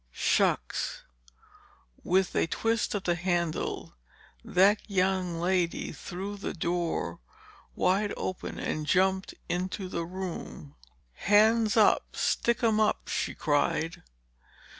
"Shucks!" With a twist of the handle, that young lady threw the door wide and jumped into the room. "Hands up! Stick 'em up!" she cried.